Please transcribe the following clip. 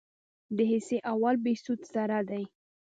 د حصه اول بهسود سړه ده